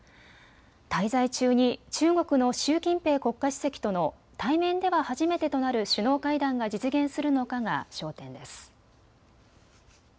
滞在中に中国の習近平国家主席との対面では初めてとなる首脳会談が実現するのかが焦点です。